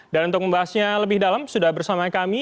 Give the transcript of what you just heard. dan untuk membahasnya lebih dalam sudah bersama kami